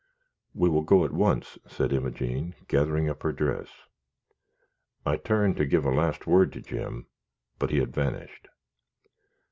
"We will go at once," said Imogene, gathering up her dress. I turned to give a last word to Jim, but he had vanished.